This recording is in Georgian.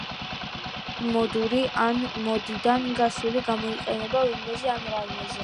ტერმინები "მოდური" ან "მოდიდან გასული" გამოიყენება ვინმეზე ან რაიმეზე